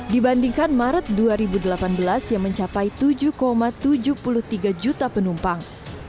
dibandingkan maret dua ribu delapan belas yang mencapai tujuh tujuh puluh tiga juta penumpang